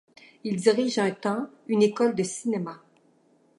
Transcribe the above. Il dirige un temps une école de cinéma.